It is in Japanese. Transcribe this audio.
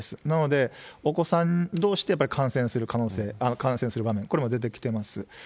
なので、お子さんどうしでやっぱり感染する可能性、感染する場面、これも出てきてます。